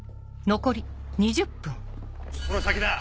この先だ！